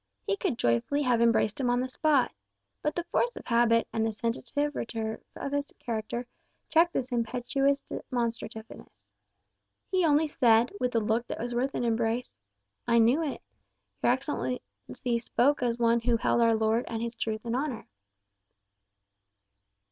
He could joyfully have embraced him on the spot. But the force of habit and the sensitive reserve of his character checked this impetuous demonstrativeness. He only said, with a look that was worth an embrace, "I knew it. Your Excellency spoke as one who held our Lord and his truth in honour."